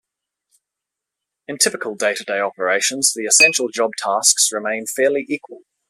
In typical day-to-day operations, the essential job tasks remain fairly equal.